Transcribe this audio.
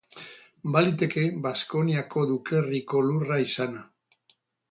Baliteke Baskoniako dukerriko lurra izana.